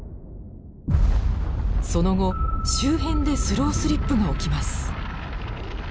その後周辺でスロースリップが起きます。